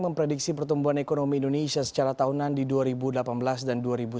memprediksi pertumbuhan ekonomi indonesia secara tahunan di dua ribu delapan belas dan dua ribu sembilan belas